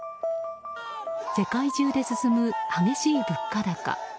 世界中で進む激しい物価高。